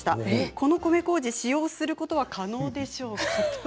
この米こうじ、使用することは可能でしょうか？